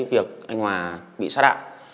việc anh hòa bị sát ạ